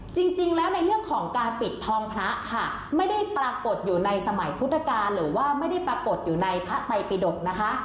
จริงแล้วในเรื่องของการปิดทองพระค่ะไม่ได้ปรากฏอยู่ในสมัยพุทธกาลหรือว่าไม่ได้ปรากฏอยู่ในพระไตปิดกนะคะ